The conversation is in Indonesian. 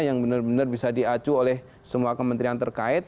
yang benar benar bisa diacu oleh semua kementerian terkait